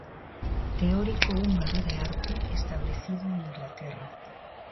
Teórico húngaro de arte, establecido en Inglaterra.